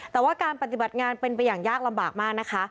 แต่ว่าการปฏิบัติงานเป็นไปอย่างยากลำบากมากนะคะ